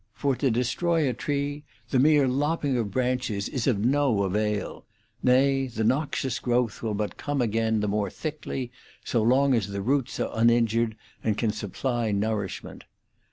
For to destroy a tree the mere lopping of branches is of no avail — nay, the noxious growth will but come again the more thickly, so long as the roots are uninjured and can supply nourishment.